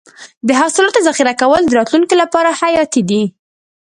د حاصلاتو ذخیره کول د راتلونکي لپاره حیاتي دي.